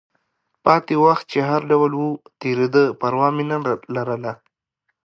پاتې وخت چې هر ډول و، تېرېده، پروا مې نه لرله.